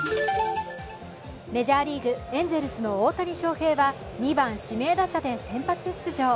メジャーリーグ、エンゼルスの大谷翔平は２番指名打者で先発出場。